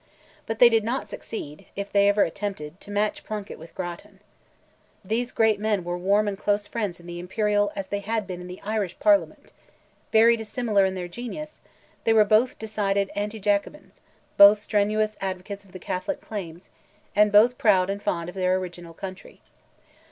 But they did not succeed—if they ever attempted—to match Plunkett with Grattan. Those great men were warm and close friends in the Imperial as they had been in the Irish Parliament; very dissimilar in their genius, they were both decided anti Jacobins; both strenuous advocates of the Catholic claims, and both proud and fond of their original country.